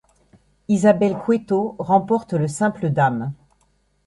Isabel Cueto remporte le simple dames.